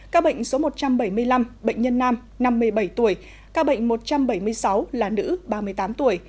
các bệnh số một trăm bảy mươi năm bệnh nhân nam năm mươi bảy tuổi các bệnh một trăm bảy mươi sáu là nữ ba mươi tám tuổi